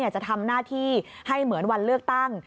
จะทำหน้าที่ให้เหมือนวันเลือกตั้ง